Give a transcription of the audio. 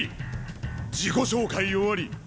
自己紹介終わり。